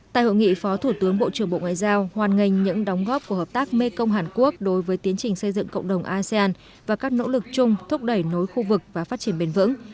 tại hội nghị phó thủ tướng bộ trưởng bộ ngoại giao hoàn nghênh những đóng góp của hợp tác mê công hàn quốc đối với tiến trình xây dựng cộng đồng asean và các nỗ lực chung thúc đẩy nối khu vực và phát triển bền vững